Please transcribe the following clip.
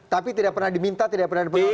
tapi tidak pernah diminta tidak pernah dipengaruhi